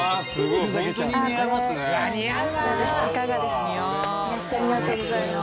「いらっしゃいませ」